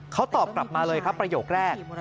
เขาตอบกลับมาเลยครับประโยคแรก